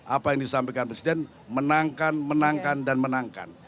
apa yang disampaikan presiden menangkan menangkan dan menangkan